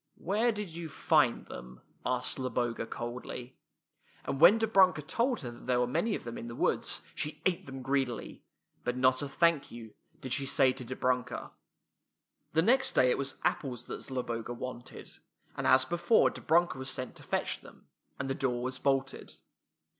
" Where did you find them? " asked Zlo boga coldly. And when Dobrunka told her that there were many of them in the woods, she ate them greedily, but not a " thank you " did she say to Dobrunka. The next day it was apples that Zloboga wanted, and as before Dobrunka was sent to fetch them, and the door was bolted.